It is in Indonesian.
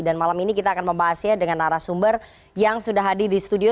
dan malam ini kita akan membahasnya dengan arah sumber yang sudah hadir di studio